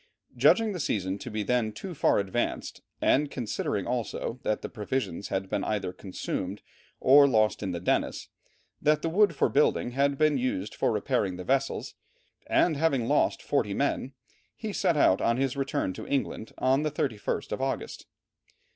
Judging the season to be then too far advanced, and considering also that the provisions had been either consumed, or lost in the Dennis, that the wood for building had been used for repairing the vessels, and having lost 40 men, he set out on his return to England on the 31st of August.